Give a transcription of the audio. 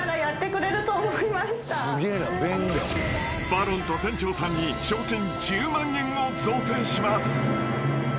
［バロンと店長さんに賞金１０万円を贈呈します］